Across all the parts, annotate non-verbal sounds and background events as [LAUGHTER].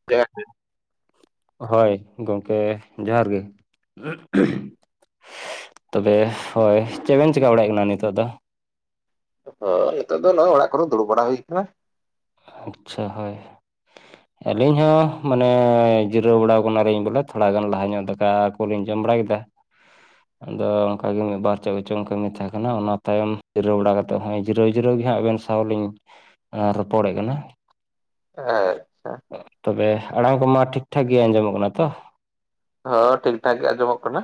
[INAUDIBLE] ᱦᱳᱭ ᱜᱚᱝᱠᱮ ᱡᱚᱦᱟᱨ ᱜᱮ᱾ ᱛᱚᱵᱮ ᱦᱳᱭ ᱪᱮᱫ ᱵᱮᱱ ᱪᱮᱠᱟ ᱵᱟᱲᱟᱭ ᱠᱟᱱᱟ ᱱᱤᱛᱚᱜ ᱫᱚ? ᱦᱳᱭ ᱱᱤᱛᱚᱜ ᱫᱚ ᱱᱚᱜᱼᱚᱭ ᱚᱲᱟᱜ ᱠᱚᱨᱮ ᱫᱩᱲᱩᱵᱽ ᱵᱟᱲᱟ ᱦᱩᱭ ᱠᱟᱱᱟ᱾ ᱟᱪᱪᱷᱟ ᱦᱳᱭ᱾ ᱟᱹᱞᱤᱧ ᱦᱚᱸ ᱢᱟᱱᱮ ᱡᱤᱨᱟᱹᱣ ᱵᱟᱲᱟ ᱠᱟᱱᱟᱞᱤᱧ ᱵᱚᱞᱮ ᱛᱷᱚᱲᱟ ᱜᱟᱱ ᱞᱟᱦᱟ ᱧᱚᱜ ᱫᱟᱠᱟ ᱠᱚᱞᱤᱧ ᱡᱚᱢ ᱵᱟᱲᱟ ᱠᱮᱫᱟ, [UNINTELLIGIBLE] ᱟᱫᱚ ᱚᱱᱠᱟᱜ ᱜᱮ ᱢᱤᱫ ᱵᱟᱨ ᱪᱮᱫ ᱠᱚᱪᱚᱝ ᱠᱟᱹᱢᱤ ᱛᱟᱦᱮᱸ ᱠᱟᱱᱟ ᱚᱱᱟ ᱛᱟᱭᱚᱢ ᱡᱤᱨᱟᱹᱣ ᱵᱟᱲᱟ ᱠᱟᱛᱮ ᱦᱚᱸᱜ ᱡᱤᱨᱟᱹᱣ ᱡᱤᱨᱟᱹᱣ ᱜᱮ ᱦᱟᱸᱜ ᱟᱵᱮᱱ ᱥᱟᱶ ᱞᱤᱧ ᱮ ᱨᱚᱯᱚᱲᱮᱫ ᱠᱟᱱᱟ᱾ ᱮᱸ᱾ ᱛᱚᱵᱮ ᱟᱲᱟᱝ ᱠᱚᱢᱟ ᱴᱷᱤᱠ-ᱴᱷᱟᱠ ᱜᱮ ᱟᱸᱡᱚᱢᱚᱜ ᱠᱟᱱᱟ ᱛᱚ? ᱦᱚᱸ ᱴᱷᱤᱠ ᱴᱷᱟᱠ ᱜᱮ ᱟᱹᱡᱚᱢᱚᱜ ᱠᱟᱱᱟ᱾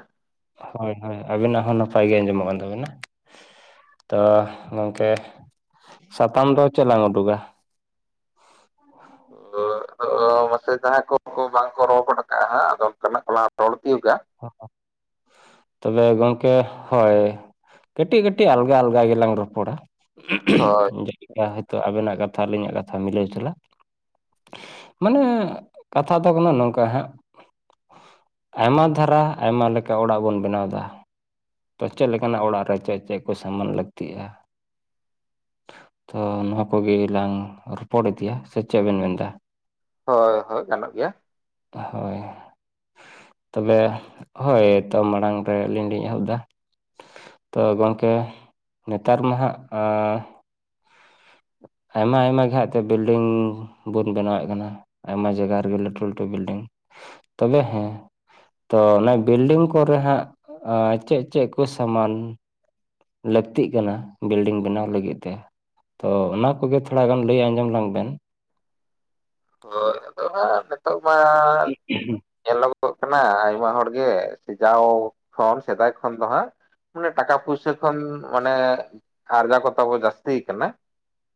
ᱦᱳᱭ ᱦᱳᱭ ᱟᱵᱤᱱᱟᱜ ᱦᱚᱸ ᱱᱟᱯᱟᱭ ᱜᱮ ᱟᱸᱡᱚᱢᱚᱜ ᱠᱟᱱ ᱛᱟᱵᱤᱱᱟ᱾ ᱛᱚ ᱜᱚᱝᱠᱮ ᱥᱟᱛᱟᱢ ᱫᱚ ᱪᱮᱫ ᱞᱟᱝ ᱩᱰᱩᱜᱟ? ᱟᱫᱚ ᱢᱟᱥᱮ ᱡᱟᱦᱟᱸᱭ ᱠᱚ ᱠᱚ ᱵᱟᱝ ᱠᱚ ᱨᱚᱲ ᱜᱚᱫ ᱠᱟᱜᱼᱟ ᱟᱫᱚ ᱦᱟᱸᱜ ᱚᱱᱠᱟᱱᱟᱜ [UNINTELLIGIBLE] ᱛᱚᱵᱮ ᱜᱚᱝᱠᱮ ᱦᱳᱭ᱾ ᱠᱟᱹᱴᱤᱜ ᱠᱟᱹᱴᱤᱜ ᱟᱞᱜᱟ ᱟᱞᱜᱟ ᱜᱮ ᱞᱟᱝ ᱨᱚᱯᱚᱲᱟ᱾ ᱦᱳᱭ᱾ ᱪᱮᱫ ᱞᱮᱠᱟ ᱦᱚᱭᱛᱚ ᱟᱹᱵᱮᱱᱟᱜ ᱠᱟᱛᱷᱟ ᱟᱹᱞᱤᱧᱟᱜ ᱠᱟᱛᱷᱟ ᱢᱤᱞᱟᱹᱣ ᱪᱟᱞᱟᱜ, ᱢᱟᱱᱮ ᱠᱟᱛᱷᱟ ᱛᱟᱵᱚᱱᱼᱟ ᱱᱚᱝᱠᱟ ᱦᱟᱸᱜ, ᱟᱭᱢᱟ ᱫᱷᱟᱨᱟ ᱟᱭᱢᱟ ᱞᱮᱠᱟ ᱚᱲᱟᱜ ᱵᱚᱱ ᱵᱮᱱᱟᱣ ᱮᱫᱟ᱾ ᱛᱚ ᱪᱮᱫ ᱞᱮᱠᱟᱱᱟᱜ ᱚᱲᱟᱜ ᱨᱮ ᱪᱮᱜ ᱪᱮᱜ ᱠᱚ ᱥᱟᱢᱟᱱ ᱞᱟᱹᱠᱛᱤᱜᱼᱟ᱾ ᱛᱚ ᱱᱚᱣᱟ ᱠᱚᱜᱮ ᱞᱟᱝ ᱨᱚᱯᱚᱲ ᱤᱫᱤᱭᱟ ᱥᱮ ᱪᱮᱜ ᱵᱮᱱ ᱢᱮᱱ ᱮᱫᱟ? ᱦᱳᱭ ᱦᱳᱭ ᱜᱟᱱᱚᱜ ᱜᱮᱭᱟ᱾ ᱦᱳᱭ᱾ ᱛᱚᱵᱮ ᱦᱳᱭ ᱛᱚ ᱢᱟᱲᱟᱝ ᱨᱮ ᱟᱹᱞᱤᱧ ᱞᱤᱧ ᱮᱦᱚᱵ ᱮᱫᱟ, ᱛᱚ ᱜᱚᱝᱠᱮ ᱱᱮᱛᱟᱨ ᱢᱟ ᱦᱟᱸᱜ ᱟᱸ ᱟᱭᱢᱟ ᱟᱭᱢᱟ ᱜᱮ ᱦᱟᱸᱜ ᱛᱮ ᱵᱤᱞᱰᱤᱝ ᱵᱚᱱ ᱵᱮᱱᱟᱣᱮᱜ ᱠᱟᱱᱟ, ᱟᱭᱢᱟ ᱡᱟᱭᱜᱟ ᱨᱮᱜᱮ ᱞᱟᱹᱴᱩ ᱞᱟᱹᱴᱩ ᱵᱤᱞᱰᱤᱝ ᱛᱚᱵᱮ ᱦᱮᱸ ᱛᱚ ᱚᱱᱟ ᱵᱤᱞᱰᱤᱝ ᱠᱚᱨᱮ ᱦᱟᱸᱜ ᱟᱸ ᱪᱮᱜ ᱪᱮᱜ ᱠᱚ ᱥᱟᱢᱟᱱ ᱞᱟᱹᱠᱛᱤᱜ ᱠᱟᱱᱟ ᱵᱤᱞᱰᱤᱝ ᱵᱮᱱᱟᱣ ᱞᱟᱹᱜᱤᱫ ᱛᱮ, ᱛᱚ ᱚᱱᱟ ᱠᱚᱜᱮ ᱛᱷᱚᱲᱟ ᱜᱟᱱ ᱞᱟᱹᱭ ᱟᱸᱡᱚᱢ ᱞᱟᱝ ᱵᱮᱱ? ᱦᱳᱭ ᱟᱫᱚᱜ ᱦᱟᱸᱜ ᱱᱤᱛᱚᱜ ᱢᱟ ᱧᱮᱞᱚᱜᱚᱜ ᱠᱟᱱᱟ ᱟᱭᱢᱟ ᱦᱚᱲ ᱜᱮ ᱥᱮ ᱡᱟᱣ ᱠᱷᱚᱱ ᱥᱮᱫᱟᱭ ᱠᱷᱚᱱ ᱫᱚ ᱦᱟᱸᱜ ᱢᱟᱱᱮ ᱴᱟᱠᱟ ᱯᱩᱭᱥᱟᱹ ᱠᱷᱚᱱ ᱢᱟᱱᱮ ᱟᱨᱡᱟᱣ ᱠᱚ ᱛᱟᱵᱚ ᱡᱟᱹᱥᱛᱤ ᱭᱟᱠᱟᱱᱟ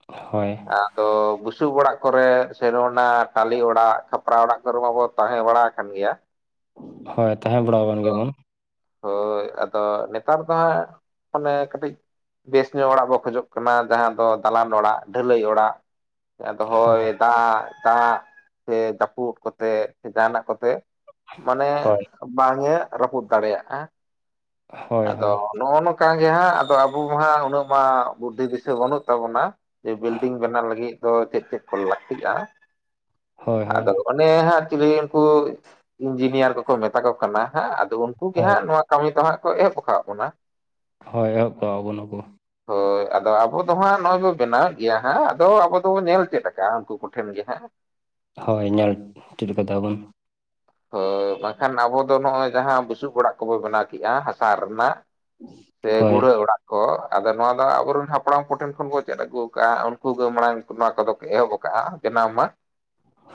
ᱦᱳᱭ᱾ ᱟᱫᱚ ᱵᱩᱥᱩᱵ ᱚᱲᱟᱜ ᱠᱚᱨᱮ, ᱯᱷᱤᱨ ᱚᱱᱟ ᱴᱟᱹᱞᱞᱤ ᱚᱲᱟᱜ ᱠᱷᱟᱯᱨᱟ ᱚᱲᱟᱜ ᱠᱚᱨᱮ ᱢᱟ ᱵᱚ ᱛᱟᱦᱮᱸ ᱵᱟᱲᱟ ᱦᱟᱠᱟᱱ ᱜᱮᱭᱟ, ᱦᱳᱭ ᱛᱟᱦᱮᱸ ᱵᱟᱲᱟ ᱣᱟᱠᱟᱱ ᱜᱮᱵᱚ ᱵᱚᱱ᱾ ᱦᱳᱭ ᱟᱫᱚ ᱱᱮᱛᱟᱨ ᱫᱚ ᱦᱟᱸᱜ ᱢᱟᱱᱮ ᱠᱟᱹᱴᱤᱡ ᱵᱮᱥ ᱧᱚᱜ ᱚᱲᱟᱜ ᱵᱚ ᱠᱷᱚᱡᱚᱜ ᱠᱟᱱᱟ ᱡᱟᱦᱟᱸ ᱫᱚ ᱫᱟᱞᱟᱱ ᱚᱲᱟᱜ ᱰᱷᱟᱹᱞᱟᱹᱭ ᱚᱲᱟᱜ, ᱟᱫᱚ ᱦᱳᱭ, ᱫᱟᱜ, ᱫᱟᱜ ᱥᱮ ᱡᱟᱹᱯᱩᱫ ᱠᱚᱛᱮ ᱥᱮ ᱡᱟᱦᱟᱸᱱᱟᱜ ᱠᱚᱛᱮ ᱢᱟᱱᱮ ᱦᱳᱭ ᱵᱟᱝᱼᱮ ᱨᱟᱹᱯᱩᱫ ᱫᱟᱲᱮᱭᱟᱜᱼᱟ ᱦᱳᱭ ᱦᱳᱭ ᱟᱫᱚ- ᱱᱚᱜᱼᱚ ᱱᱚᱸᱠᱟ ᱜᱮ ᱦᱟᱸᱜ ᱟᱫᱚ ᱟᱵᱚ ᱢᱟ ᱦᱟᱸᱜ ᱩᱱᱟᱹᱜ ᱢᱟ ᱵᱩᱫᱷᱤ ᱫᱤᱥᱟᱹ ᱵᱟᱹᱱᱩᱜ ᱛᱟᱵᱚᱱᱟ ᱡᱮ ᱵᱤᱞᱰᱤᱝ ᱵᱮᱱᱟᱣ ᱞᱟᱹᱜᱤᱜ ᱫᱚ ᱪᱮᱫ ᱪᱮᱫ ᱠᱚ ᱞᱟᱹᱠᱛᱤᱜᱼᱟ, ᱦᱳᱭ ᱦᱳᱭ ᱟᱫᱚ ᱚᱱᱮ ᱦᱟᱸᱜ ᱪᱤᱞᱤ ᱩᱱᱠᱩ ᱤᱧᱡᱤᱱᱤᱭᱟᱨ ᱠᱳᱠᱳ ᱢᱮᱛᱟ ᱠᱚ ᱠᱟᱱᱟ ᱦᱟᱸᱜ ᱟᱫᱚ ᱩᱱᱠᱩ ᱜᱮ ᱦᱳᱭ ᱦᱟᱸᱜ ᱱᱚᱣᱟ ᱠᱟᱹᱢᱤ ᱫᱚ ᱦᱟᱸᱜ ᱠᱚ ᱮᱦᱚᱵ ᱣᱟᱠᱟᱣᱟᱜ ᱵᱚᱱᱟ ᱦᱳᱭ ᱮᱦᱚᱵ ᱠᱚᱣᱟ ᱵᱚ ᱱᱩᱠᱩ᱾ ᱦᱳᱭ ᱟᱫᱚ ᱟᱵᱚ ᱫᱚ ᱦᱟᱸᱜ ᱱᱚᱣᱟ ᱫᱚ ᱵᱮᱱᱟᱣᱮᱫ ᱜᱮᱭᱟ ᱦᱟᱸᱜ ᱟᱫᱚ ᱟᱵᱚ ᱫᱚᱵᱚ ᱧᱮᱞ ᱪᱮᱫ ᱟᱠᱟᱜᱼᱟ ᱩᱱᱠᱩ ᱠᱚᱴᱷᱮᱱ ᱜᱮ ᱦᱟᱸᱜ᱾ ᱦᱳᱭ ᱧᱮᱞ ᱪᱮᱫ ᱟᱠᱟ ᱫᱟ ᱵᱚᱱ᱾ ᱦᱳᱭ ᱵᱟᱝᱠᱷᱟᱱ ᱟᱵᱚ ᱫᱚ ᱱᱚᱜᱼᱚᱭ ᱡᱟᱦᱟᱸ ᱵᱩᱥᱩᱵ ᱚᱲᱟᱜ ᱠᱚᱵᱚ ᱵᱮᱱᱟᱣ ᱠᱮᱫᱼᱟ ᱦᱟᱥᱟ ᱨᱮᱱᱟᱜ ᱥᱮ ᱦᱳᱭ ᱜᱩᱲᱦᱟᱹ ᱚᱲᱟᱜ, ᱦᱚ ᱟᱫᱚ ᱱᱚᱣᱟ ᱫᱚ ᱦᱟᱸᱜ ᱟᱵᱚᱨᱮᱱ ᱦᱟᱯᱲᱟᱢ ᱠᱚᱴᱷᱮᱱ ᱠᱷᱚᱱ ᱵᱚ ᱪᱮᱫ ᱟᱹᱜᱩ ᱟᱠᱟᱼᱟ ᱩᱱᱠᱩ ᱜᱮ ᱢᱟᱲᱟᱝ ᱱᱚᱣᱟ ᱠᱚᱫᱚ ᱠᱚ ᱮᱦᱚᱵ ᱟᱠᱟᱜᱼᱟ, ᱵᱮᱱᱟᱣ ᱢᱟ,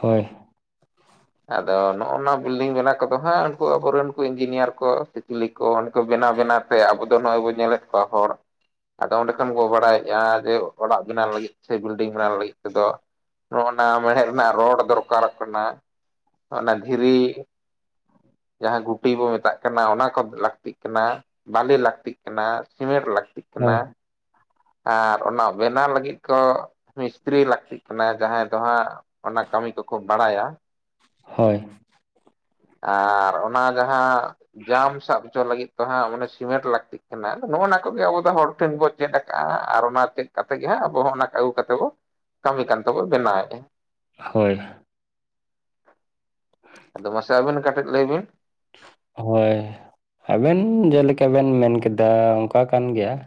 ᱦᱳᱭ᱾ ᱟᱜ ᱫᱚᱱ ᱱᱚᱜᱼᱚᱼᱱᱚᱣᱟ ᱵᱤᱞᱰᱤᱝ ᱵᱮᱱᱟᱣ ᱠᱚᱫᱚ ᱦᱟᱸᱜ ᱩᱱᱠᱩ ᱟᱵᱚᱨᱮᱱ ᱩᱱᱠᱩ ᱤᱧᱡᱤᱱᱤᱭᱟᱨ ᱠᱚ ᱥᱮ ᱪᱤᱞᱤ ᱠᱚ ᱩᱱᱠᱚ ᱵᱮᱱᱟᱣ ᱵᱮᱱᱟᱣ ᱥᱮ ᱟᱵᱚ ᱫᱚ ᱱᱚᱜᱼᱚᱸᱭ ᱵᱚ ᱧᱮᱞᱮᱫ ᱠᱚᱣᱟ ᱦᱚᱲ ᱟᱫᱚ ᱚᱸᱰᱮ ᱫᱚᱢ ᱜᱚᱜ ᱵᱟᱲᱟᱭᱮᱜᱼᱟ, ᱡᱮ ᱚᱲᱟᱜ ᱵᱮᱱᱟᱣ ᱞᱟᱹᱜᱤᱫ ᱥᱮ ᱵᱤᱞᱰᱤᱝ ᱵᱮᱱᱟᱣ ᱞᱟᱹᱜᱤᱫ ᱛᱮᱫᱚ ᱱᱚᱜᱼᱚᱼᱱᱟ ᱢᱮᱬᱦᱮᱫ ᱨᱮᱱᱟᱜ ᱨᱚᱰ ᱫᱚᱨᱠᱟᱨᱚᱜ ᱠᱟᱱᱟ, ᱚᱱᱟ ᱫᱷᱤᱨᱤ ᱡᱟᱦᱟᱸ ᱜᱩᱴᱤ ᱵᱚ ᱢᱮᱛᱟᱜ ᱠᱟᱱᱟ ᱚᱱᱟ ᱠᱚᱦᱚᱸ ᱞᱟᱹᱠᱛᱤᱜ ᱠᱟᱱᱟ, ᱵᱟᱞᱤ ᱞᱟᱹᱠᱛᱤᱜ ᱠᱟᱱᱟ ᱥᱤᱢᱮᱱᱴ ᱞᱟᱹᱠᱛᱤᱜ ᱠᱟᱱᱟ ᱦᱳᱭ ᱾ ᱟᱨ ᱚᱱᱟ ᱵᱮᱱᱟ ᱞᱟᱹᱜᱤᱫ ᱠᱚ ᱢᱤᱥᱛᱨᱤ ᱞᱟᱹᱠᱛᱤᱜ ᱠᱟᱱᱟ ᱡᱟᱦᱟᱸᱭ ᱫᱚ ᱦᱟᱸᱜ ᱚᱱᱟ ᱠᱟᱹᱢᱤ ᱠᱚᱠᱚ ᱵᱟᱲᱟᱭᱟ ᱾ ᱦᱳᱭ᱾ ᱟᱨ ᱚᱱᱟ ᱡᱟᱦᱟᱸ ᱡᱟᱢ ᱥᱟᱵ ᱦᱚᱪᱚ ᱞᱟᱹᱜᱤᱫ ᱫᱚ ᱦᱟᱸᱜ ᱢᱟᱱᱮ ᱥᱤᱢᱮᱱᱴ ᱞᱟᱹᱠᱛᱤᱜ ᱠᱟᱱᱟ ᱱᱚᱜᱼᱱᱚᱣᱟ ᱠᱚᱜᱮ ᱟᱵᱚ ᱫᱚ ᱦᱚᱲ ᱴᱷᱮᱱ ᱵᱚ ᱪᱮᱫ ᱠᱟᱜᱼᱟ ᱟᱨ ᱚᱱᱟ ᱪᱮᱜ ᱠᱟᱛᱮ ᱜᱮ ᱦᱟᱸᱜ ᱟᱵᱚ ᱦᱚᱸ ᱚᱱᱟ ᱠᱟᱹᱣ ᱠᱟᱛᱮ ᱵᱚ ᱠᱟᱹᱢᱤ ᱠᱟᱱ ᱛᱟᱵᱚ ᱵᱮᱱᱟᱣᱮᱫᱼᱟ ᱾ ᱦᱳᱭ, ᱟᱫᱚ ᱢᱟᱥᱮ ᱟᱹᱵᱤᱱ ᱠᱟᱹᱴᱤᱡ ᱞᱟᱹᱭ ᱵᱤᱱ? ᱦᱳᱭ ᱟᱵᱮᱱ ᱡᱮᱞᱮᱠᱟ ᱵᱮᱱ ᱢᱮᱱ ᱠᱮᱫᱟ ᱚᱝᱠᱟ ᱠᱟᱱ ᱜᱮᱭᱟ ᱾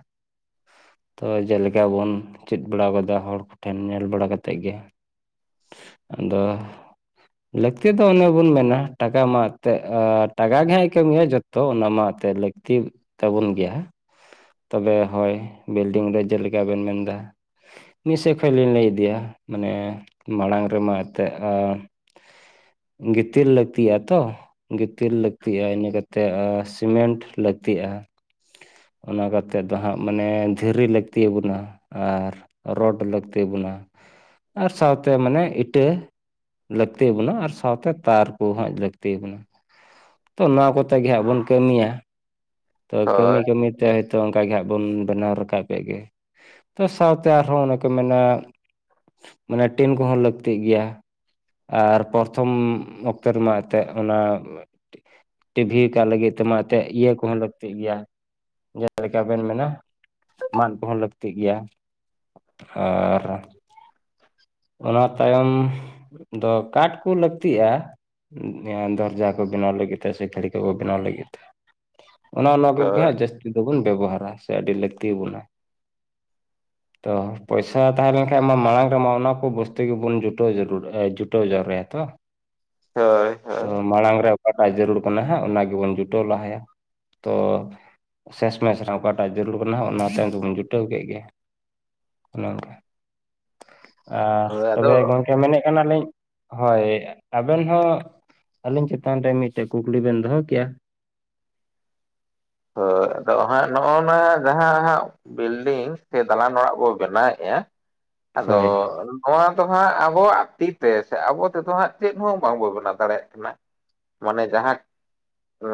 ᱛᱚ ᱡᱮᱞᱮᱠᱟ ᱵᱚᱱ ᱪᱮᱫ ᱵᱟᱲᱟ ᱜᱟᱫᱟ ᱦᱚᱲ ᱠᱚᱴᱷᱮᱱ ᱧᱮᱞ ᱵᱟᱲᱟ ᱠᱟᱛᱮᱫ ᱜᱮ ᱾ ᱟᱫᱚ ᱾ ᱞᱟᱹᱠᱛᱤ ᱫᱚ ᱚᱱᱮ ᱵᱚᱱ ᱢᱮᱱᱟ ᱴᱟᱠᱟ ᱢᱟ ᱛᱮᱫ ᱮ ᱴᱟᱠᱟ ᱜᱮᱦᱟᱭ ᱠᱟᱹᱢᱤᱭᱟ ᱡᱚᱛ ᱛᱚ ᱚᱱᱟ ᱢᱟ ᱟᱛᱮ ᱞᱟᱹᱠᱛᱤ ᱛᱟᱵᱚᱱ ᱜᱮᱭᱟ ᱾ ᱛᱚᱵᱮ ᱦᱳᱭ ᱵᱤᱞᱰᱤᱝ ᱨᱮ ᱡᱮᱞᱮᱠᱟ ᱵᱮᱱ ᱢᱮᱱ ᱫᱟ ᱾ [INAUDIBLE] ᱢᱤᱜ ᱥᱮᱜ ᱠᱷᱚᱡ ᱞᱤᱧ ᱞᱟᱹᱭ ᱤᱫᱤᱭᱟ ᱢᱟᱱᱮ ᱢᱟᱲᱟᱝ ᱨᱮᱢᱟ ᱮᱱᱛᱮ [INAUDIBLE] ᱜᱤᱛᱤᱞ ᱞᱟᱹᱠᱛᱤᱜᱼᱟ ᱛᱚ ᱾ ᱜᱤᱛᱤᱞ ᱞᱟᱹᱠᱛᱤᱜᱼᱟ ᱤᱱᱟᱹ ᱠᱟᱛᱮᱜ ᱟ ᱥᱤᱢᱮᱱᱴ ᱞᱟᱹᱠᱛᱤᱜᱼᱟ ᱾ ᱚᱱᱟ ᱠᱟᱛᱮᱫ ᱫᱟᱦᱟᱜ ᱢᱟᱱᱮ ᱫᱷᱤᱨᱤ ᱞᱟᱹᱠᱛᱤ ᱟᱵᱚᱱᱟ ᱾ᱟᱨ ᱨᱚᱰ ᱞᱟᱹᱠᱛᱤ ᱟᱵᱩᱱᱟ ᱟᱨ ᱥᱟᱶᱛᱮ ᱢᱟᱱᱮ ᱤᱴᱟᱹ ᱾ ᱞᱟᱹᱠᱛᱤ ᱟᱵᱩᱱᱟ ᱟᱨ ᱥᱟᱶᱛᱮ ᱛᱟᱨ ᱠᱚᱦᱚᱸ ᱞᱟᱹᱠᱛᱤ ᱟᱵᱚᱱᱟ ᱾ ᱛᱚ ᱱᱚᱣᱟ ᱠᱚᱛᱮ ᱜᱮ ᱦᱟᱸᱜ ᱵᱚᱱ ᱠᱟᱹᱢᱤᱭᱟ ᱛᱚ ᱠᱟᱹᱢᱤ ᱦᱳᱭ ᱠᱟᱹᱢᱤᱛᱮᱭ ᱛᱚ ᱚᱱᱠᱟᱜ ᱜᱮ ᱦᱟᱸᱜ ᱵᱚᱱ ᱵᱮᱱᱟᱣ ᱨᱟᱠᱟᱵᱮᱜ ᱜᱮ ᱛᱚ ᱥᱟᱶᱛᱮ ᱟᱨᱦᱚᱸ ᱚᱱᱮ ᱠᱚ ᱢᱮᱱᱟ ᱢᱟᱱᱮ ᱴᱤᱱ ᱠᱚᱦᱚᱸ ᱞᱟᱹᱠᱛᱤᱜ ᱜᱮᱭᱟ ᱾ ᱟᱨ ᱯᱨᱚᱛᱷᱚᱢ ᱚᱠᱛᱮ ᱨᱮᱢᱟ ᱮᱛᱮᱜ ᱚᱱᱟ ᱴᱤᱵᱷᱤ ᱠᱟᱜ ᱞᱟᱹᱜᱤᱫ ᱛᱮ ᱢᱟ ᱮᱛᱮᱫ ᱤᱭᱟᱹ ᱠᱚᱦᱚᱸ ᱞᱟᱠ ᱛᱤᱜ ᱜᱮᱭᱟ ᱡᱟᱦᱟ ᱞᱮᱠᱟ ᱵᱮᱱ ᱢᱮᱱᱟ ᱢᱟᱫ ᱠᱚᱦᱚᱸ ᱞᱟᱹᱠᱛᱤᱜ ᱜᱮᱭᱟ ᱾ ᱟᱨ ᱚᱱᱟ ᱛᱟᱭᱚᱢ ᱫᱚ ᱠᱟᱴ ᱠᱚ ᱞᱟᱹᱠᱛᱤᱜ-ᱟ ᱾ [INAUDIBLE] ᱫᱚᱨᱡᱟ ᱠᱚ ᱵᱮᱱᱟᱣ ᱞᱟᱹᱜᱤᱛ ᱛᱮ ᱥᱮ ᱠᱷᱟᱲᱤ ᱠᱚᱠᱚ ᱵᱮᱱᱟᱣ ᱞᱟᱜᱤᱫ ᱛᱮ ᱚᱱᱚ ᱚᱱᱟ ᱠᱚᱜᱮ ᱦᱳᱭ ᱦᱟᱸᱜ ᱡᱟᱹᱥᱛᱤ ᱫᱚᱵᱚᱱ ᱵᱮᱵᱚᱦᱟᱨᱟ ᱥᱮ ᱟᱹᱰᱤ ᱞᱟᱹᱠᱛᱤ ᱟᱵᱚᱱᱟ ᱾ ᱛᱚ ᱯᱚᱭᱥᱟ ᱛᱟᱦᱮᱸ ᱞᱮᱱᱠᱷᱟᱡ ᱢᱟ ᱢᱟᱲᱟᱝ ᱨᱮᱢᱟ ᱚᱱᱟ ᱠᱚ ᱵᱚᱥᱛᱩ ᱜᱮᱵᱚᱱ ᱡᱩᱴᱟᱹᱣ ᱡᱟᱹᱨᱩᱲᱟ ᱮ ᱡᱩᱴᱟᱹᱣ ᱡᱟᱣᱨᱟᱭᱟ ᱛᱚ ᱦᱳᱭ ᱾ [INAUDIBLE] ᱦᱳᱭ ᱛᱚ ᱢᱟᱲᱟᱝ ᱨᱮ ᱚᱠᱟᱴᱟᱜ ᱡᱟᱹᱨᱩᱲ ᱠᱟᱱᱟ ᱦᱟᱸᱜ ᱚᱱᱟ ᱜᱮᱵᱚᱱ ᱡᱩᱴᱟᱹᱣ ᱞᱟᱦᱟᱭᱟ ᱾ ᱛᱚ ᱥᱮᱥ ᱢᱮᱥ ᱨᱮ ᱚᱠᱟᱴᱟᱜ ᱡᱟᱹᱨᱩᱲ ᱠᱟᱱᱟ ᱦᱟᱸᱜ ᱚᱱᱟ ᱛᱟᱭᱚᱢ ᱛᱮᱵᱚᱱ ᱡᱩᱴᱟᱹᱣ ᱠᱮᱜ ᱜᱮ ᱚᱱᱮ ᱚᱱᱠᱟ ᱟᱨ ᱦᱳᱭ ᱛᱚᱵᱮ ᱟᱫᱚ ᱜᱚᱝ ᱠᱮ ᱢᱮᱱᱮᱜ ᱠᱟᱱᱟᱞᱤᱧ ᱦᱳᱭ ᱟᱵᱮᱱ ᱦᱚᱸ ᱟᱹᱞᱤᱧ ᱪᱮᱛᱟᱱ ᱨᱮ ᱢᱤᱫᱴᱮᱱ ᱠᱩᱠᱞᱤ ᱵᱮᱱ ᱫᱚᱦᱚ ᱠᱮᱭᱟ? ᱦᱳ ᱟᱫᱚ ᱦᱟᱸᱜ ᱱᱚᱜ ᱱᱚᱣᱟ ᱡᱟᱦᱟ ᱦᱟᱸᱜ ᱵᱤᱞᱰᱤᱝ ᱥᱮ ᱫᱟᱞᱟᱱ ᱚᱲᱟᱜ ᱵᱚ ᱵᱮᱱᱟᱣᱮᱜ-ᱟ ᱟᱫᱚ ᱦᱳᱭ ᱱᱚᱣᱟ ᱫᱚ ᱦᱟᱸᱜ ᱟᱵᱚᱣᱟᱜ ᱛᱤᱛᱮ ᱥᱮ ᱟᱵᱚ ᱛᱮᱫᱚ ᱦᱟᱸᱜ ᱪᱮᱫ ᱦᱚᱸ ᱵᱟᱵᱚᱱ ᱵᱮᱱᱟᱣ ᱫᱟᱲᱮᱭᱟᱜ ᱠᱟᱱᱟ ᱾ ᱢᱟᱱᱮ ᱡᱟᱦᱟᱸᱠ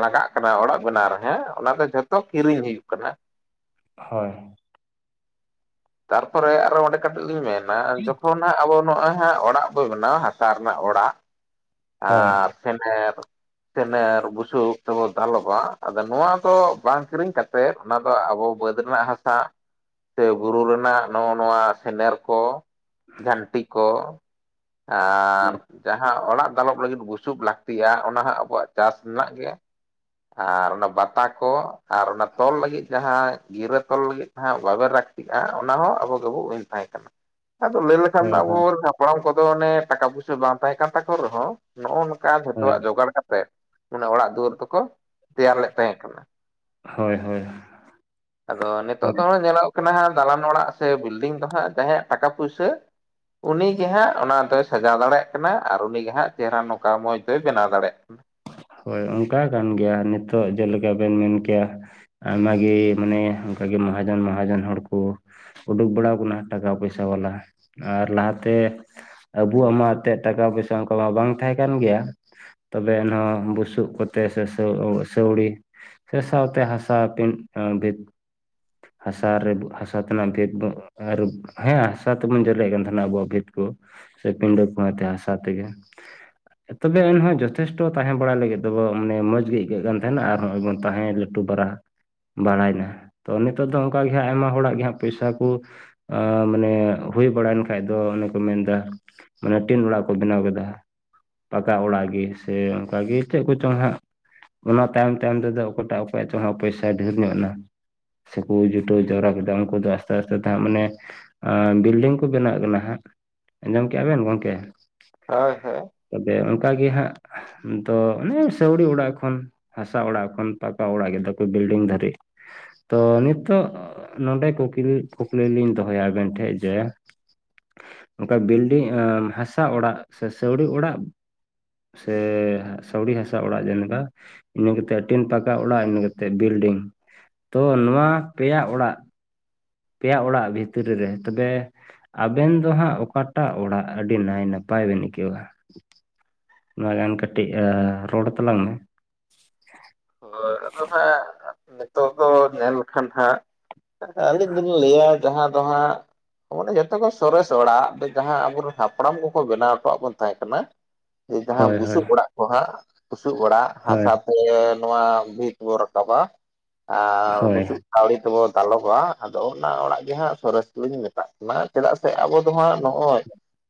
ᱞᱟᱜᱟᱜ ᱠᱟᱱᱟ ᱚᱲᱟᱜ ᱵᱮᱱᱟᱣ ᱨᱮ ᱦᱮᱸ ᱚᱱᱟ ᱫᱚ ᱡᱷᱚᱛᱚ ᱠᱤᱨᱤᱧ ᱦᱩᱭᱩᱜ ᱠᱟᱱᱟ ᱾ ᱦᱳᱭ, ᱛᱟᱨᱯᱚᱨᱮ ᱟᱨᱚ ᱚᱸᱰᱮ ᱠᱟᱹᱴᱤᱡ ᱞᱤᱧ ᱢᱮᱱᱟ ᱡᱚᱠᱷᱚᱱ ᱦᱟᱸᱜ ᱟᱵᱚ ᱱᱚᱣᱟ ᱦᱟᱸᱜ ᱚᱲᱟᱜ ᱵᱚ ᱵᱮᱱᱟᱣᱟ ᱦᱟᱥᱟ ᱨᱮᱱᱟᱜ ᱚᱲᱟᱜ ᱦᱳᱭ ᱟᱨ ᱯᱷᱮᱱᱮᱞ ᱥᱮᱱᱮᱨ ᱵᱩᱥᱩᱵ ᱛᱮᱵᱚ ᱫᱟᱞᱚᱵᱟ ᱟᱫᱚ ᱱᱚᱣᱟ ᱫᱚ ᱵᱟᱝ ᱠᱤᱨᱤᱧ ᱠᱟᱛᱮᱜ ᱥᱮ ᱚᱱᱟ ᱟᱵᱚ ᱵᱟᱹᱫᱽ ᱨᱮᱱᱟᱜ ᱦᱟᱥᱟ ᱥᱮ ᱵᱩᱨᱩ ᱨᱮᱱᱟᱜ ᱱᱚᱜᱚ ᱱᱚᱣᱟ ᱥᱮᱱᱮᱨ ᱠᱚ ᱡᱷᱟᱹᱱᱴᱤ ᱠᱚ ᱟᱨ ᱡᱟᱦᱟᱸ ᱚᱲᱟᱜ ᱫᱟᱞᱚᱵ ᱞᱟᱜᱤᱫ ᱵᱩᱥᱩᱵ ᱞᱟᱹᱠᱛᱤᱜ-ᱟ ᱚᱱᱟ ᱦᱟᱸᱜ ᱟᱵᱚᱣᱟᱜ ᱪᱟᱥ ᱨᱮᱱᱟᱜ ᱜᱮ ᱟᱨ ᱚᱱᱟ ᱵᱟᱛᱟ ᱠᱚ ᱟᱨ ᱚᱱᱟ ᱛᱚᱞ ᱞᱟᱹᱜᱤᱫ ᱡᱟᱦᱟᱸ ᱜᱤᱨᱟᱹ ᱛᱚᱞ ᱞᱟᱹᱜᱤᱫ ᱵᱟᱵᱮᱨ ᱞᱟᱹᱠᱛᱤᱜᱟ ᱚᱱᱟ ᱦᱚᱸ ᱟᱵᱚ ᱜᱮᱵᱚ ᱛᱟᱦᱮᱸ ᱟᱫᱚ ᱞᱟᱹᱭ ᱞᱮᱠᱷᱟᱱ ᱞᱮᱠᱷᱟᱱ ᱫᱚ ᱦᱳᱭ ᱟᱵᱚ ᱦᱟᱯᱲᱟᱢ ᱠᱚᱫᱚ ᱚᱱᱮ ᱴᱟᱠᱟ ᱵᱟᱝ ᱛᱟᱦᱮᱸ ᱠᱟᱱ ᱨᱮᱦᱚᱸ ᱱᱚᱜᱚ ᱱᱚᱝᱠᱟ ᱦᱳᱭ ᱡᱷᱚᱛᱚᱣᱟᱜ ᱡᱚᱜᱟᱲ ᱠᱟᱛᱮᱫ ᱢᱟᱱᱮ ᱚᱲᱟᱜ ᱫᱩᱣᱟᱹᱨ ᱫᱚᱠᱚ ᱛᱮᱭᱟᱨ ᱞᱮᱫ ᱛᱟᱦᱮᱸ ᱠᱟᱱᱟ ᱾ ᱦᱳᱭ ᱦᱳᱭ᱾ ᱟᱫᱚ ᱱᱤᱛᱚᱜ ᱫᱚ ᱦᱟᱜ ᱧᱮᱞᱚᱜ ᱠᱟᱱᱟ ᱦᱟᱸᱜ ᱫᱟᱞᱟᱱ ᱚᱲᱟᱜ ᱥᱮ ᱵᱤᱞᱰᱤᱝ ᱫᱚ ᱦᱟᱸᱜ ᱡᱟᱦᱟᱸᱭᱟᱜ ᱴᱟᱠᱟ ᱯᱩᱭᱥᱟᱹ ᱩᱱᱤ ᱜᱮ ᱦᱟᱸᱜ ᱚᱱᱟ ᱫᱚᱭ ᱥᱟᱡᱟᱣ ᱫᱟᱲᱮᱭᱟᱜ ᱠᱟᱱᱟ ᱟᱨ ᱩᱱᱤᱜᱮ ᱦᱟᱸᱜ ᱪᱮᱦᱨᱟ ᱱᱚᱝᱠᱟ ᱢᱚᱡᱽ ᱫᱚᱭ ᱵᱮᱱᱟᱣ ᱫᱟᱲᱮᱭᱟᱜ ᱠᱟᱱᱟ ᱾ ᱦᱳᱭ ᱚᱱᱠᱟ ᱠᱟᱱ ᱜᱮᱭᱟ ᱱᱤᱛᱚᱜ ᱡᱮᱞᱮᱠᱟ ᱵᱮᱱ ᱢᱮᱱ ᱠᱮᱜ-ᱟ ᱾ ᱟᱭᱢᱟ ᱜᱮ ᱢᱟᱱᱮ ᱚᱱᱠᱟᱜᱮ ᱢᱚᱦᱟᱡᱚᱱ ᱢᱚᱦᱟᱡᱚᱱ ᱦᱚᱲ ᱠᱚ ᱩᱰᱩᱠ ᱵᱟᱲᱟᱣ ᱠᱟᱱᱟ ᱴᱟᱠᱟ ᱯᱚᱭᱥᱟ ᱵᱟᱞᱟ ᱟᱨ ᱞᱟᱦᱟᱛᱮ ᱟᱵᱚᱣᱟᱜ ᱢᱟ ᱮᱱᱛᱮᱫ ᱴᱟᱠᱟ ᱯᱚᱭᱥᱟ ᱚᱱᱠᱟ ᱢᱟ ᱵᱟᱝ ᱛᱟᱦᱮᱸ ᱠᱟᱱ ᱜᱮᱭᱟ ᱛᱚᱵᱮ ᱮᱱᱦᱚᱸ ᱵᱩᱥᱩᱵ ᱠᱚᱛᱮ ᱥᱮ ᱥᱟᱹᱣᱲᱤ ᱥᱮ ᱥᱟᱶᱛᱮ ᱦᱟᱥᱟᱯᱤᱱ ᱵᱷᱤᱛ ᱦᱟᱥᱟ ᱨᱮ ᱦᱟᱥᱟ ᱛᱮᱱᱟᱜ ᱵᱷᱮᱫ ᱵᱩᱜ ᱟᱨᱩᱵ᱾ ᱦᱮᱸ ᱦᱟᱥᱟ ᱛᱮᱵᱚᱱ ᱡᱮᱞᱮᱫ ᱠᱟᱱ ᱛᱟᱦᱮᱱᱟ ᱟᱵᱚᱣᱟᱜ ᱵᱷᱤᱛ ᱠᱩ ᱥᱮ ᱯᱤᱰᱟᱹ ᱠᱚᱸ ᱮᱱᱛᱮ ᱦᱟᱥᱟ ᱛᱮᱜᱮ ᱾ ᱛᱚᱵᱮ ᱮᱱᱦᱚᱸ ᱡᱚᱛᱷᱮᱥᱴᱚ ᱛᱟᱦᱮᱱ ᱚᱲᱟᱜ ᱞᱟᱜᱤᱫ ᱫᱚᱵᱚ ᱢᱟᱱᱮ ᱢᱚᱡᱽ ᱜᱮ ᱟᱹᱭᱠᱟᱹᱜ ᱠᱟᱱ ᱛᱟᱦᱮᱱᱟ ᱟᱨ ᱱᱚᱜᱚᱭ ᱵᱚᱱ ᱛᱟᱦᱮᱸᱱᱟ ᱞᱟᱹᱴᱩ ᱯᱟᱨᱟ ᱾ ᱵᱟᱲᱟᱭᱱᱟ ᱛᱚ ᱱᱤᱛᱚᱜ ᱫᱚ ᱚᱱᱠᱟᱜ ᱜᱮ ᱦᱟᱸᱜ ᱟᱭᱢᱟ ᱦᱚᱲᱟᱜ ᱦᱟᱸᱜ ᱯᱚᱭᱥᱟ ᱠᱩ ᱢᱟᱱᱮ ᱦᱩᱭ ᱵᱟᱲᱟᱭᱮᱱ ᱠᱷᱟᱡ ᱫᱚ ᱚᱱᱮ ᱠᱚ ᱢᱮᱱᱫᱟ ᱾ ᱢᱟᱱᱮ ᱴᱤᱱ ᱚᱲᱟᱜ ᱠᱚ ᱵᱮᱱᱟᱣ ᱠᱮᱫᱟ ᱯᱟᱠᱟ ᱚᱲᱟᱜ ᱜᱮ ᱥᱮ ᱵᱷᱟᱜᱮ ᱪᱮᱫ ᱠᱚᱪᱚᱝ ᱦᱟᱸᱜ? ᱚᱱᱟ ᱛᱟᱭᱚᱢ ᱛᱟᱭᱚᱢ ᱛᱮᱫᱚ ᱚᱠᱚᱭᱴᱟᱜ ᱚᱠᱚᱭᱟᱜ ᱪᱚᱝ ᱦᱟᱸᱜ ᱯᱚᱭᱥᱟᱭ ᱰᱷᱮᱨ ᱧᱚᱜ ᱮᱱᱟ? ᱥᱮᱠᱚ ᱡᱩᱴᱟᱹᱣ ᱡᱟᱣᱨᱟ ᱠᱮᱫᱟ ᱩᱱᱠᱩ ᱫᱚ ᱟᱥᱛᱮ ᱟᱥᱛᱮ ᱛᱮ ᱦᱟᱸᱜ ᱢᱟᱱᱮ ᱮ ᱵᱤᱞᱰᱤᱝ ᱠᱚ ᱵᱮᱱᱟᱜ ᱠᱟᱱᱟ ᱦᱟᱸᱜ, ᱟᱸᱡᱚᱢ ᱠᱮᱜᱼᱟ ᱵᱮᱱ ᱜᱚᱢᱠᱮ? ᱦᱳᱭ ᱦᱳᱭ᱾ ᱛᱚᱵᱮ ᱚᱱᱠᱟᱜᱮ ᱦᱟᱸᱜ ᱛᱚ ᱚᱱᱮ ᱥᱟᱹᱣᱲᱤ ᱚᱲᱟᱜ ᱠᱷᱚᱱ ᱦᱟᱥᱟ ᱚᱲᱟᱜ ᱠᱷᱚᱱ ᱯᱟᱠᱟ ᱚᱲᱟᱜ ᱠᱮᱫᱟ ᱠᱚ ᱵᱤᱞᱰᱤᱝ ᱫᱷᱟᱹᱨᱤᱡ᱾ ᱛᱚ ᱱᱤᱛᱚᱜ ᱱᱚᱰᱮ ᱠᱩᱠᱤᱞ ᱠᱩᱠᱞᱤ ᱞᱤᱧ ᱫᱚᱦᱚᱭᱟ ᱟᱵᱮᱱ ᱴᱷᱮᱡ ᱡᱮ ᱚᱱᱠᱟ ᱵᱤᱞᱰᱤᱝ ᱮ ᱦᱟᱥᱟ ᱚᱲᱟᱜ ᱥᱮ ᱥᱟᱹᱣᱲᱤ ᱚᱲᱟᱜ ᱥᱮ ᱥᱟᱣᱲᱤ ᱦᱟᱥᱟ ᱚᱲᱟᱜ ᱡᱮᱱ ᱞᱮᱠᱟ ᱤᱱᱟᱹ ᱠᱟᱛᱮᱜ ᱴᱤᱱ ᱯᱟᱠᱟ ᱚᱲᱟᱜ ᱤᱱᱟᱹ ᱠᱟᱛᱮᱜ ᱵᱤᱞᱰᱤᱝ ᱛᱚ ᱱᱚᱣᱟ ᱯᱮᱭᱟ ᱚᱲᱟᱜ, ᱯᱮᱭᱟ ᱚᱲᱟᱜ ᱵᱷᱤᱛᱨᱤ ᱨᱮ, ᱛᱚᱵᱮ ᱟᱵᱮᱱ ᱫᱚ ᱦᱟᱸᱜ ᱚᱠᱟᱴᱟᱜ ᱚᱲᱟᱜ ᱟᱹᱰᱤ ᱱᱟᱭ ᱱᱟᱯᱟᱭ ᱵᱮᱱ ᱟᱹᱭᱠᱟᱹᱣᱟ? ᱢᱟᱲᱟᱱ ᱠᱟᱹᱴᱤᱡ ᱨᱚᱲ ᱟᱛᱟᱞᱟᱝ ᱢᱮ᱾ ᱦᱳᱭ ᱟᱫᱚ ᱦᱟᱸᱜ ᱱᱤᱛᱚᱜ ᱫᱚ ᱧᱮᱞ ᱞᱮᱠᱷᱟᱱ ᱦᱟᱸᱜ ᱟᱹᱞᱤᱧ ᱫᱩᱱᱤᱧ ᱞᱟᱹᱭᱟ ᱡᱟᱦᱟᱸ ᱫᱚ ᱦᱟᱸᱜ ᱚᱱᱮ ᱡᱷᱚᱛᱚ ᱠᱷᱚᱱ ᱥᱚᱨᱮᱥ ᱚᱲᱟᱜ ᱡᱟᱦᱟᱸ ᱟᱵᱚᱨᱮᱱ ᱦᱟᱯᱲᱟᱢ ᱠᱚᱠᱚ ᱵᱮᱱᱟᱣ ᱦᱚᱴᱚᱣᱟᱜ ᱵᱚᱱ ᱛᱟᱦᱮᱸ ᱠᱟᱱᱟ [UNINTELLIGIBLE] ᱮ ᱡᱟᱦᱟᱸ ᱦᱳᱭ ᱵᱩᱥᱩᱵ ᱚᱲᱟᱜ ᱠᱚ ᱦᱟᱸᱜ, ᱵᱩᱥᱩᱵ ᱚᱲᱟᱜ, ᱦᱳᱭ ᱦᱟᱥᱟ ᱛᱮ ᱱᱚᱣᱟ ᱵᱷᱤᱛ ᱵᱚᱱ ᱨᱟᱠᱟᱵᱟ ᱟᱨ ᱦᱳᱭ ᱵᱩᱥᱩᱵ ᱠᱟᱹᱣᱲᱤ ᱛᱮᱵᱚᱱ ᱫᱟᱞᱚᱵᱼᱟ᱾ ᱟᱫᱚ ᱚᱱᱟ ᱚᱲᱟᱜ ᱜᱮ ᱦᱟᱸᱜ ᱥᱚᱨᱮᱥ ᱫᱩᱞᱤᱧ ᱢᱮᱛᱟᱜ ᱠᱟᱱᱟ᱾ ᱪᱮᱫᱟᱜ ᱥᱮ ᱟᱵᱚ ᱫᱚ ᱦᱟᱸᱜ ᱱᱚᱜᱼᱚᱭ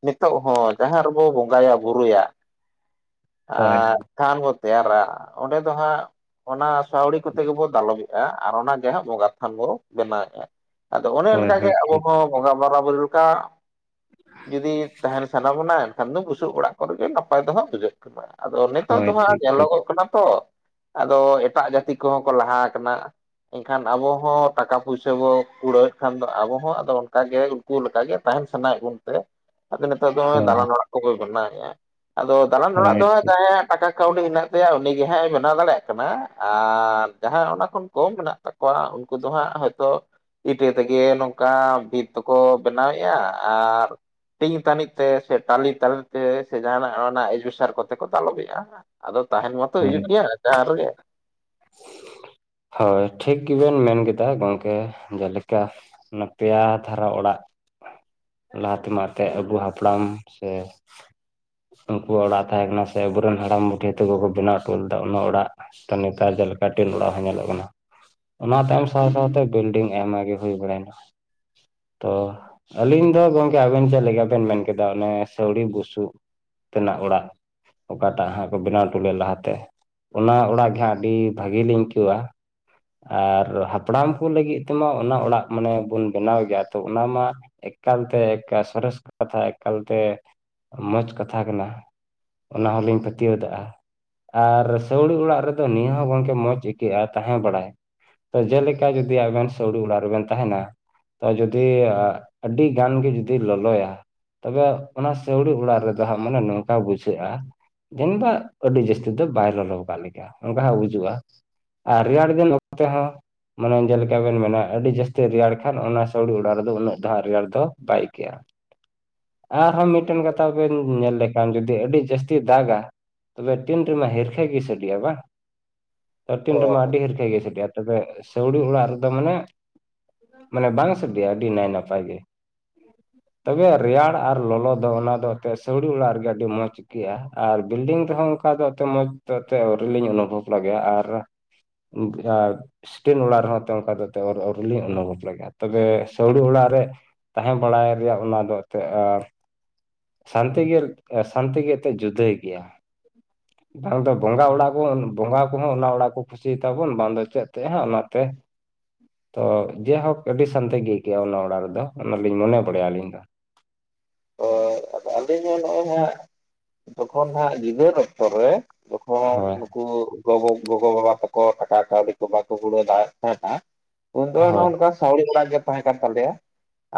ᱱᱤᱛᱚᱜ ᱦᱚᱸ ᱡᱟᱦᱟᱸ ᱨᱮᱵᱚ ᱵᱚᱸᱜᱟᱭᱟ ᱵᱩᱨᱩᱭᱟ ᱥᱮ ᱦᱳᱭ ᱟᱨ ᱛᱷᱟᱱ ᱵᱚᱱ ᱛᱮᱭᱟᱨᱟ ᱚᱸᱰᱮ ᱫᱚ ᱦᱟᱸᱜ ᱚᱱᱟ ᱥᱟᱹᱣᱲᱤ ᱠᱚᱛᱮ ᱜᱮᱵᱚᱱ ᱫᱟᱞᱚᱵᱮᱫ-ᱟ ᱟᱨ ᱚᱱᱟ ᱜᱮ ᱦᱟᱸᱜ ᱵᱚᱸᱜᱟ ᱛᱷᱟᱱ ᱵᱚ ᱵᱮᱱᱟᱣᱮᱫᱼᱟ᱾ ᱟᱫᱚ ᱚᱱᱮ ᱦᱳᱭ ᱚᱱᱠᱟ ᱜᱮ ᱦᱳᱭ ᱟᱵᱚ ᱴᱷᱤᱠ ᱦᱚᱸ ᱵᱚᱸᱜᱟ ᱵᱟᱨᱟ ᱵᱟᱨᱤ ᱞᱮᱠᱟ ᱡᱩᱫᱤ ᱛᱟᱦᱮᱱ ᱥᱟᱱᱟ ᱵᱚᱱᱟ ᱮᱱᱠᱷᱟᱱ ᱫᱚ ᱵᱩᱥᱩᱵ ᱚᱲᱟᱜ ᱠᱚᱨᱮ ᱜᱮ ᱱᱟᱯᱟᱭ ᱫᱚ ᱦᱟᱸᱜ ᱵᱩᱡᱷᱟᱹᱜ᱾ ᱠᱮᱢᱟ ᱟᱫᱚ ᱱᱮᱛᱟᱨ ᱦᱳᱭ ᱫᱚ ᱦᱟᱸᱜ ᱴᱷᱤᱠ ᱴᱷᱤᱠ ᱧᱮᱞᱚᱜᱚᱜ ᱠᱟᱱᱟ ᱛᱚ ᱟᱫᱚ ᱮᱴᱟᱜ ᱡᱟᱹᱛᱤ ᱠᱚᱦᱚᱸ ᱠᱚ ᱞᱟᱦᱟ ᱟᱠᱟᱱᱟ᱾ ᱮᱱᱠᱷᱟᱱ ᱟᱵᱚ ᱦᱚᱸ ᱴᱟᱠᱟ ᱯᱩᱭᱥᱟᱹ ᱵᱚ ᱠᱩᱲᱟᱹᱣᱮᱫ ᱠᱷᱟᱱ ᱫᱚ ᱟᱵᱚ ᱦᱚᱸ ᱟᱫᱚ ᱚᱱᱠᱟ ᱜᱮ ᱠᱩ ᱞᱮᱠᱟ ᱜᱮ ᱛᱟᱦᱮᱱ ᱥᱟᱱᱟᱭᱮᱫ ᱵᱚᱱ ᱛᱮ ᱟᱫᱚ ᱱᱮᱛᱟᱨ ᱫᱚ ᱦᱚᱸᱜ-ᱚᱭ ᱦᱳᱭ ᱫᱟᱞᱟᱱ ᱚᱲᱟᱜ ᱠᱚᱜᱮ ᱵᱮᱱᱟᱣᱮᱫ-ᱟ, ᱟᱫᱚ ᱫᱟᱞᱟᱱ ᱚᱲᱟᱜ ᱦᱳᱭ ᱫᱚ ᱦᱟᱸᱜ ᱴᱷᱤᱠ ᱡᱟᱦᱟᱸᱭᱟᱜ ᱴᱟᱠᱟ ᱠᱟᱹᱣᱰᱤ ᱦᱮᱱᱟᱜ ᱛᱟᱭᱟ ᱩᱱᱤᱜᱮ ᱦᱟᱸᱜ-ᱮ ᱵᱮᱱᱟᱣ ᱫᱟᱲᱮᱭᱟᱜ ᱠᱟᱱᱟ ᱟᱨ ᱡᱟᱦᱟᱸᱭ ᱚᱱᱟ ᱠᱷᱚᱱ ᱠᱚᱢ ᱢᱮᱱᱟᱜ ᱛᱟᱠᱚᱣᱟ ᱩᱱᱠᱩ ᱫᱚ ᱦᱟᱸᱜ ᱦᱚᱭᱛᱚ ᱤᱴᱟᱹ ᱛᱮᱜᱮ ᱱᱚᱝᱠᱟ ᱵᱷᱤᱛ ᱫᱚᱠᱚ ᱵᱮᱱᱟᱣᱮᱫ-ᱟ ᱟᱨ ᱴᱤᱧ ᱛᱟᱹᱱᱤᱡ ᱛᱮ ᱥᱮ ᱴᱟᱞᱤ ᱛᱟᱹᱱᱤᱡ ᱛᱮ ᱥᱮ ᱡᱟᱦᱟᱱᱟᱜ ᱚᱱᱮ ᱚᱱᱟ ᱮᱡᱵᱮᱥᱴᱟᱨ ᱠᱚᱛᱮ ᱠᱚ ᱫᱟᱞᱚᱵᱮᱜ-ᱟ᱾ ᱟᱫᱚ ᱛᱟᱦᱮᱱ ᱢᱟᱛᱚ ᱦᱳᱭ ᱦᱩᱭᱩᱜ ᱜᱮᱭᱟ ᱡᱟᱦᱟᱸ ᱨᱮᱜᱮ᱾ ᱦᱳᱭ ᱴᱷᱤᱠ ᱜᱮᱵᱮᱱ ᱢᱮᱱ ᱠᱮᱫᱟ ᱜᱚᱝᱠᱮ ᱡᱮᱞᱮᱠᱟ ᱚᱱᱟ ᱯᱮᱭᱟ ᱫᱷᱟᱨᱟ ᱚᱲᱟᱜ ᱞᱟᱦᱟ ᱛᱮᱢᱟ ᱮᱛᱮᱜ ᱟᱵᱩ ᱦᱟᱯᱲᱟᱢ ᱥᱮ ᱩᱱᱠᱩᱣᱟᱜ ᱚᱲᱟᱜ ᱛᱟᱦᱮᱸ ᱠᱟᱱᱟ ᱥᱮ ᱟᱵᱚᱨᱮᱱ ᱦᱟᱲᱟᱢ ᱵᱩᱰᱦᱷᱤ ᱛᱟᱠᱚ ᱠᱚ ᱵᱮᱱᱟᱣ ᱦᱚᱴᱚ ᱞᱮᱫᱟ ᱚᱱᱟ ᱚᱲᱟᱜ ᱛᱚ ᱱᱤᱛ ᱛᱟᱨ ᱡᱮᱞᱮᱠᱟ ᱴᱤᱱ ᱚᱲᱟᱜ ᱦᱚᱸ ᱧᱮᱞᱚᱜ ᱠᱟᱱᱟ᱾ ᱚᱱᱟ ᱛᱟᱭᱚᱢ ᱥᱟᱶ ᱥᱟᱶᱛᱮ ᱵᱤᱞᱰᱤᱝ ᱟᱭᱢᱟ ᱜᱮ ᱦᱩᱭ ᱵᱟᱲᱟᱭᱮᱱᱟ᱾ ᱛᱚ ᱟᱹᱞᱤᱧ ᱫᱚ ᱜᱚᱢᱠᱮ ᱟᱵᱮᱱ ᱪᱮᱫ ᱞᱮᱠᱟ ᱵᱮᱱ ᱢᱮᱱ ᱠᱮᱫᱟ ᱚᱱᱮ ᱥᱟᱹᱣᱲᱤ ᱵᱩᱥᱩᱵ ᱛᱮᱱᱟᱜ ᱚᱲᱟᱜ ᱚᱠᱟᱴᱟᱜ ᱦᱟᱸᱜ ᱠᱚ ᱵᱮᱱᱟᱣ ᱦᱚᱴᱚ ᱞᱮᱜ ᱞᱟᱦᱟᱛᱮ ᱚᱱᱟ ᱚᱲᱟᱜ ᱜᱮ ᱦᱟᱸᱜ ᱟᱹᱰᱤ ᱵᱷᱟᱜᱮ ᱞᱤᱧ ᱟᱹᱭᱠᱟᱹᱣᱟ᱾ ᱟᱨ ᱦᱟᱯᱲᱟᱢ ᱠᱚ ᱞᱟᱹᱜᱤᱫ ᱛᱮᱢᱟ ᱚᱱᱟ ᱚᱲᱟᱜ ᱢᱟᱱᱮ ᱵᱚᱱ ᱵᱮᱱᱟᱣ ᱜᱮᱭᱟ ᱛᱚ ᱚᱱᱟ ᱢᱟ ᱮᱠᱟᱞᱛᱮ ᱮᱠ ᱥᱚᱨᱮᱥ ᱠᱟᱛᱷᱟ ᱮᱠᱟᱞᱛᱮ ᱢᱚᱡᱽ ᱠᱟᱛᱷᱟ ᱠᱟᱱᱟ᱾ ᱚᱱᱟ ᱦᱚᱸᱞᱤᱧ ᱯᱟᱹᱛᱭᱟᱹᱣᱫᱟ-ᱟ ᱟᱨ ᱥᱟᱹᱣᱲᱤ ᱚᱲᱟᱜ ᱨᱮᱫ ᱫᱚ ᱱᱤᱭᱟᱹ ᱦᱚᱸ ᱜᱚᱝᱠᱮ ᱢᱚᱸᱡᱽ ᱟᱹᱭᱠᱟᱹᱜ-ᱟ ᱛᱟᱦᱮᱸ ᱵᱟᱲᱟᱭᱟ᱾ ᱛᱚ ᱡᱮᱞᱮᱠᱟ ᱡᱩᱫᱤ ᱟᱵᱮᱱ ᱥᱟᱹᱣᱲᱤ ᱚᱲᱟᱜ ᱨᱮᱵᱮᱱ ᱛᱟᱦᱮᱱᱟ᱾ ᱛᱚ ᱡᱩᱫᱤ ᱟ ᱟᱹᱰᱤ ᱜᱟᱱ ᱜᱮ ᱡᱩᱫᱤ ᱞᱚᱞᱚᱭᱟ ᱛᱚᱵᱮ ᱚᱱᱟ ᱥᱟᱹᱣᱲᱤ ᱚᱲᱟᱜ ᱨᱮᱫᱚ ᱦᱟᱸᱜ ᱢᱟᱱᱮ ᱱᱚᱝᱠᱟ ᱵᱩᱡᱷᱟᱹᱜᱼᱟ ᱡᱟᱱᱤᱵᱟ ᱟᱹᱰᱤ ᱡᱟᱹᱥᱛᱤ ᱫᱚ ᱵᱟᱭ ᱞᱚᱞᱚ ᱟᱠᱟᱜ ᱞᱮᱠᱟ, ᱚᱱᱠᱟ ᱦᱚᱸ ᱵᱩᱡᱩᱜᱼᱟ᱾ ᱟᱨ ᱨᱮᱭᱟᱲ ᱫᱤᱱ ᱚᱠᱛᱮ ᱦᱚᱸ ᱢᱟᱱᱮ ᱡᱮᱞᱮᱠᱟ ᱵᱮᱱ ᱢᱮᱱᱟ ᱟᱹᱰᱤ ᱡᱟᱹᱥᱛᱤ ᱨᱮᱭᱟᱲ ᱠᱷᱟᱱ ᱚᱱᱟ ᱥᱟᱹᱣᱲᱤ ᱚᱲᱟᱜ ᱨᱮᱫᱚ ᱩᱱᱟᱹᱜ ᱫᱚ ᱦᱟᱜ ᱨᱮᱭᱟᱲ ᱫᱚ ᱵᱟᱹᱭᱠᱟᱹᱜᱼᱟ᱾ ᱟᱨᱦᱚᱸ ᱢᱤᱫᱴᱮᱱ ᱠᱟᱛᱷᱟ ᱵᱮᱱ ᱧᱮᱞ ᱞᱮᱠᱷ ᱠᱟᱱ ᱡᱩᱫᱤ ᱟᱹᱰᱤ ᱡᱟᱹᱥᱛᱤ ᱫᱟᱜᱟ ᱛᱚᱵᱮ ᱴᱤᱱ ᱨᱮᱢᱟ ᱦᱤᱨᱠᱷᱟᱹ ᱜᱮ ᱥᱟᱰᱮᱤᱭᱟ ᱵᱟᱝ᱾ ᱛᱚ ᱴᱤᱱ ᱨᱮᱢᱟ ᱟᱹᱰᱤ ᱦᱤᱨᱠᱷᱟᱹ ᱜᱮ ᱵᱩᱡᱷᱟᱹᱣᱟ ᱛᱚᱵᱮ ᱥᱟᱹᱣᱲᱤ ᱚᱲᱟᱜ ᱨᱮᱫᱚ ᱢᱟᱱᱮ ᱢᱟᱱᱮ ᱵᱟᱝ ᱥᱟᱰᱮᱤᱭᱟ ᱟᱹᱰᱤ ᱱᱟᱭ ᱱᱟᱯᱟᱭ ᱜᱮ᱾ ᱛᱚᱵᱮ ᱨᱮᱭᱟᱲ ᱟᱨ ᱞᱚᱞᱚ ᱫᱚ ᱚᱱᱟ ᱫᱚ ᱮᱛᱮᱜ ᱥᱟᱹᱣᱲᱤ ᱚᱲᱟᱜ ᱨᱮᱜᱮ ᱟᱹᱰᱤ ᱢᱚᱸᱡᱽ ᱠᱮ-ᱟ ᱟᱨ ᱵᱤᱞᱰᱤᱝ ᱨᱮᱦᱚᱸ ᱚᱱᱠᱟ ᱫᱚ ᱮᱛᱮ ᱢᱚᱸᱡᱽ ᱫᱟ ᱮᱛᱮ ᱟᱹᱣᱨᱤᱞᱤᱧ ᱚᱱᱩᱵᱷᱚᱵ ᱞᱟᱜᱟᱭᱟ ᱟᱨ [UNINTELLIGIBLE] ᱥᱴᱮᱱ ᱚᱲᱟᱜ ᱨᱮᱦᱚᱸ ᱮᱛᱮ ᱚᱱᱠᱟ ᱫᱚ ᱮᱛᱮ ᱟ ᱥᱣᱨᱤᱞᱤᱧ ᱚᱱᱩᱵᱷᱚᱵ ᱞᱮᱜᱭᱟ᱾ ᱛᱚᱵᱮ ᱥᱟᱹᱣᱲᱤ ᱚᱲᱟᱜ ᱨᱮ ᱛᱟᱦᱮᱸ ᱵᱟᱲᱟᱭ ᱨᱮᱭᱟᱜ ᱚᱱᱟᱫᱚ ᱮᱱᱛᱮ ᱟᱨ ᱥᱟᱱᱛᱤ ᱜᱮ ᱥᱟᱱᱛᱤ ᱜᱮ ᱛᱮᱫ ᱡᱩᱫᱟᱹᱭ ᱜᱮᱭᱟ᱾ ᱱᱚᱣᱟ ᱫᱚ ᱵᱚᱸᱜᱟ ᱚᱲᱟᱜ ᱵᱚᱱ ᱵᱚᱸᱜᱟ ᱠᱚᱦᱚᱸ ᱚᱱᱟ ᱚᱲᱟᱜ ᱠᱚ ᱠᱩᱥᱤᱭᱟ ᱛᱟᱵᱚᱱ ᱵᱟᱝ ᱫᱚ ᱪᱮᱫ ᱛᱮᱜ ᱚᱱᱟᱛᱮ ᱛᱚ ᱡᱮᱦᱳᱠ ᱟᱹᱰᱤ ᱥᱟᱱᱛᱤ ᱜᱮ ᱟᱹᱭᱠᱟᱹᱜ-ᱟ ᱚᱱᱟ ᱚᱲᱟᱜ ᱨᱮᱫᱚ ᱚᱱᱟᱞᱤᱧ ᱢᱚᱱᱮ ᱵᱟᱲᱟᱭᱟ ᱟᱹᱞᱤᱧ ᱫᱚ᱾ ᱫᱚ ᱟᱫᱚ ᱟᱹᱞᱤᱧ ᱦᱚᱸ ᱱᱚᱜᱼᱚᱭ ᱦᱟᱸᱜ ᱡᱚᱠᱷᱚᱱ ᱦᱟᱸᱜ ᱜᱤᱫᱟᱹᱨ ᱚᱠᱛᱚᱨ ᱨᱮ ᱡᱚᱠᱷᱚᱱ ᱦᱳᱭ ᱱᱩᱠᱩ ᱦᱚᱸ ᱜᱚᱜᱚ ᱵᱟᱵᱟ ᱛᱟᱠᱚ ᱴᱟᱠᱟ ᱠᱟᱹᱣᱰᱤ ᱠᱚ ᱵᱟᱠᱚ ᱦᱩᱲᱟᱹ ᱫᱟᱲ ᱛᱟᱦᱮᱸ ᱛᱟᱸᱦᱮᱫᱟ ᱩᱱᱫᱚ ᱱᱚᱜ ᱦᱳᱭ ᱱᱚᱝᱠᱟ ᱥᱟᱣᱲᱤ ᱚᱲᱟᱜ ᱜᱮ ᱛᱟᱦᱮᱸ ᱠᱟᱱ ᱛᱟᱞᱮᱭᱟ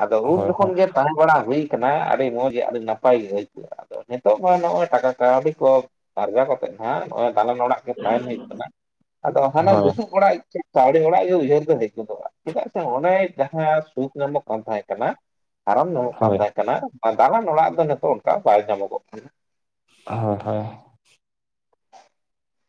ᱟᱫᱚ ᱩᱱ ᱦᱳᱭ ᱡᱚᱠᱷᱚᱱ ᱦᱳᱭ ᱜᱮ ᱛᱟᱦᱮ ᱵᱟᱲᱟ ᱦᱩᱭ ᱠᱟᱱᱟ ᱟᱹᱰᱤ ᱢᱚᱡᱽ ᱟᱹᱰᱤ ᱱᱟᱯᱟᱭ ᱜᱮ ᱟᱹᱭᱠᱟᱹᱜᱼᱟ᱾ ᱟᱫᱚ ᱱᱤᱛᱚᱜ ᱢᱟ ᱱᱚᱜᱼᱚᱭ ᱴᱟᱠᱟ ᱠᱟᱹᱣᱰᱤ ᱠᱚ ᱟᱨᱡᱟᱣ ᱠᱟᱛᱮᱫ ᱱᱟᱸᱜ ᱱᱚᱜᱼᱚᱭ ᱛᱟᱞᱮ ᱚᱲᱟᱜ ᱛᱟᱦᱮᱱ ᱦᱩᱭᱩᱜ ᱠᱟᱱᱟ, ᱟᱫᱚ ᱦᱟᱱᱟ ᱦᱳᱭ ᱵᱩᱥᱩᱵ ᱚᱲᱟᱜ ᱤᱪᱟᱹ ᱥᱟᱹᱣᱲᱤ ᱚᱲᱟᱜ ᱜᱮ ᱩᱭᱦᱟᱹᱨ ᱫᱚ ᱦᱮᱡ ᱜᱚᱫᱚᱜᱼᱟ, ᱪᱮᱫᱟᱜ ᱥᱮ ᱚᱸᱰᱮ ᱡᱟᱸᱦᱟᱸ ᱥᱩᱠ ᱧᱟᱢᱚᱜ ᱠᱟᱱ ᱛᱟᱦᱮᱸ ᱠᱟᱱᱟ ᱠᱟᱨᱚᱱ ᱧᱟᱢᱚᱜ ᱠᱟᱱ ᱦᱳᱭ ᱠᱟᱱᱟ ᱫᱟᱞᱟᱱ ᱚᱲᱟᱜ ᱨᱮᱫᱚ ᱱᱤᱛᱚᱜ ᱚᱱᱠᱟ ᱵᱟᱭ ᱧᱟᱢᱚᱜᱚᱜ ᱠᱟᱱᱟ᱾ ᱦᱳᱭᱻᱦᱳᱭ᱾